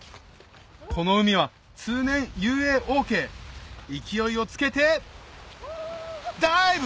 この海は通年遊泳ＯＫ勢いをつけてダイブ！